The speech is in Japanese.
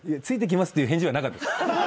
「ついてきます」っていう返事はなかった。